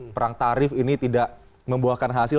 perang tarif ini tidak membuahkan hasil